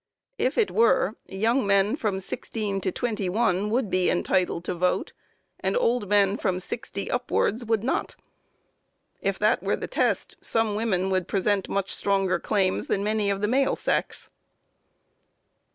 If it were, young men from sixteen to twenty one would be entitled to vote, and old men from sixty and up wards would not. If that were the test, some women would present much stronger claims than many of the male sex.